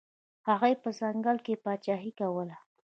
هغوی په ځنګل کې پاچاهي کوله.